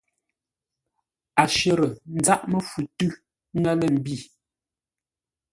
A shərə́ záʼ məfu tʉ̌ ŋə́ lə̂ mbî.